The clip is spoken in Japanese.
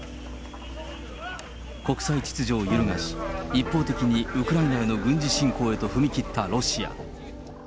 国際秩序を揺るがし、一方的にウクライナへの軍事侵攻へと踏み切ったロシア。